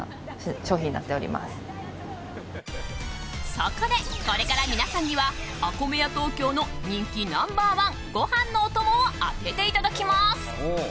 そこで、これから皆さんにはＡＫＯＭＥＹＡＴＯＫＹＯの人気ナンバー１ご飯のお供を当てていただきます。